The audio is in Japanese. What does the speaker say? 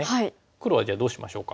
黒はじゃあどうしましょうか。